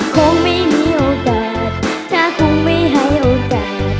คงไม่มีโอกาสถ้าคุณไม่ให้เอาไกล